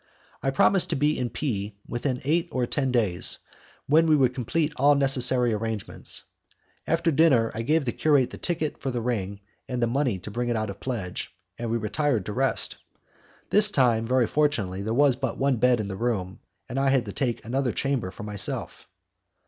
I promised to be in P within eight or ten days, when we would complete all necessary arrangements. After dinner, I gave the curate the ticket for the ring and the money to take it out of pledge, and we retired to rest. This time, very fortunately, there was but one bed in the room, and I had to take another chamber for myself.